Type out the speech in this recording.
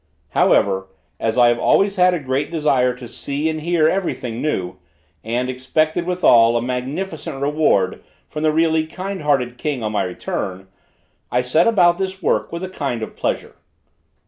However, as I have always had a great desire to see and hear every thing new, and expected, withal, a magnificent reward from the really kind hearted king on my return, I set about this work with a kind of pleasure.